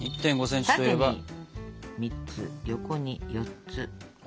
縦に３つ横に４つ。